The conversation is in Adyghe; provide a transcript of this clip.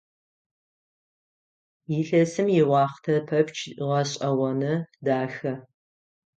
Илъэсым иуахътэ пэпчъ гъэшӀэгъоны, дахэ.